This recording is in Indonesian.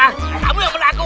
kamu yang meluk aku